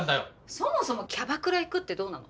そもそもキャバクラ行くってどうなの？